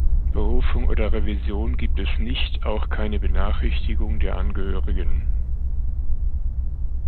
Berufung oder Revision gibt es nicht, auch keine Benachrichtigung der Angehörigen“.